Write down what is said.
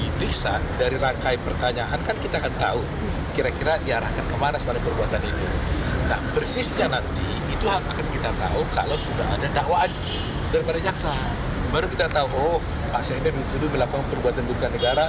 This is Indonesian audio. baru kita tahu pak setia novanto melakukan perbuatan bukan negara